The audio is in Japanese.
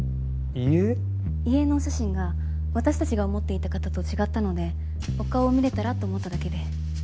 遺影のお写真が私たちが思っていた方と違ったのでお顔を見れたらと思っただけで。